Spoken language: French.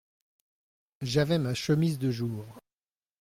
J’avais ma chemise de jour.